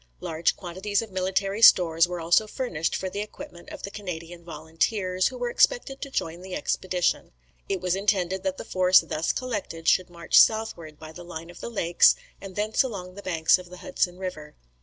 Large quantities of military stores were also furnished for the equipment of the Canadian volunteers, who were expected to join the expedition. It was intended that the force thus collected should march southward by the line of the lakes, and thence along the banks of the Hudson river.